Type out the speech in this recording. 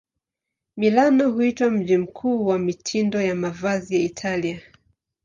Milano huitwa mji mkuu wa mitindo ya mavazi ya Italia.